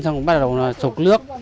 xong bắt đầu nó sụp nước